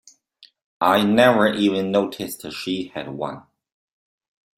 I never even noticed she had one.